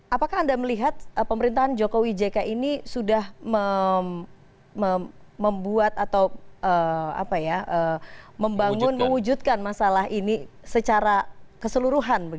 apakah anda melihat pemerintahan jokowi jk ini sudah membuat atau membangun mewujudkan masalah ini secara keseluruhan